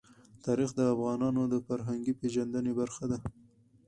تاریخ د افغانانو د فرهنګي پیژندنې برخه ده.